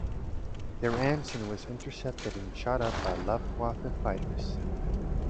Their Anson was intercepted and shot up by Luftwaffe fighters.